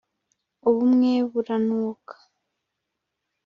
ubumwe buranuka